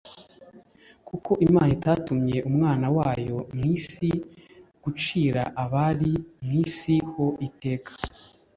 “Kuko Imana itatumye Umwana wayo mu isi gucira abari mu isi ho iteka